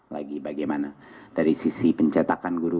lagi bagaimana dari sisi pencetakan guru